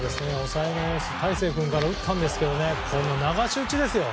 抑えのエース大勢君から打ったんですけどこの流し打ちですよ。